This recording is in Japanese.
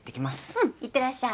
うんいってらっしゃい。